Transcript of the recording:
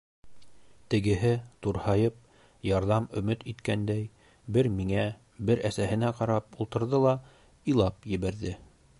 Тегеһе турһайып, ярҙам өмөт иткәндәй, бер миңә, бер әсәһенә ҡарап ултырҙы ла илап ебәрҙе.